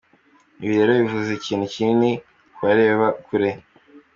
Ibi rero bivuze ikintu kinini kubareba kure.